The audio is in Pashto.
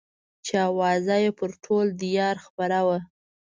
چې اوازه يې پر ټول ديار خپره وه.